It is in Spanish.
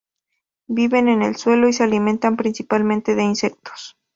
Viven en el suelo y se alimentan principalmente de insectos.